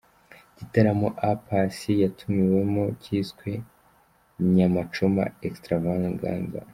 Igitaramo A Pass yatumiwemo cyiswe Nyama Choma Extravaganza.